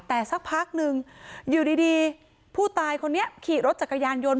แต่สักพักนึงอยู่ดีผู้ตายคนนี้ขี่รถจักรยานยนต์